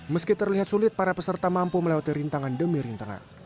meski terlihat sulit para peserta mampu melewati rintangan demi rintangan